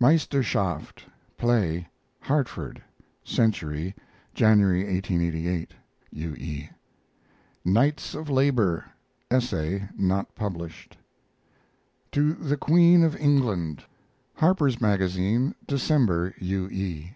MEISTERSCHAFT play (Hartford) Century, January, 1888. U. E. KNIGHTS OF LABOR essay (not published). To THE QUEEN OF ENGLAND Harper's Magazine, December. U. E.